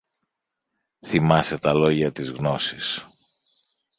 Θυμάσαι τα λόγια της Γνώσης